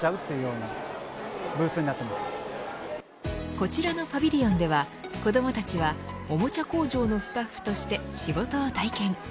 こちらのパビリオンでは子どもたちはおもちゃ工場のスタッフとして仕事を体験。